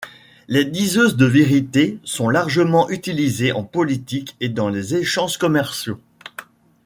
Les Diseuses de Vérité sont largement utilisées en politique et dans les échanges commerciaux.